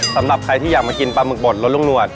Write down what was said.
สำหรับใครที่อยากมากินปลาหมึกบดรสลุงนวด